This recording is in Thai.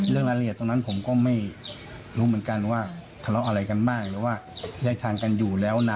เรื่องรายละเอียดตรงนั้นผมก็ไม่รู้เหมือนกันว่าค่ะค่ะค่ะค่ะค่ะค่ะ